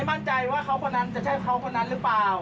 มั่นใจว่าเขาคนนั้นจะใช่เขาคนนั้นหรือเปล่า